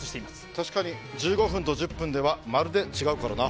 確かに１５分と１０分ではまるで違うからな。